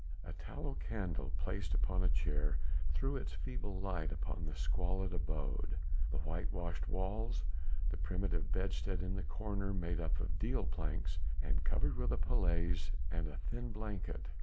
A tallow candle placed upon a chair threw its feeble light upon the squalid abode, the white washed walls, the primitive bedstead in the corner made up of deal planks and covered with a paillasse and a thin blanket.